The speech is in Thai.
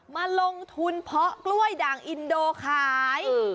มาลงทุนเพาะกล้วยด่างอินโดขาย